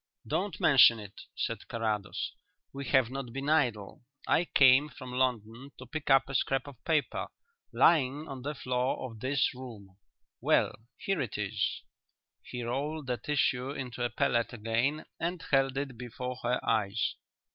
"Don't mention it," said Carrados. "We have not been idle. I came from London to pick up a scrap of paper, lying on the floor of this room. Well, here it is." He rolled the tissue into a pellet again and held it before her eyes.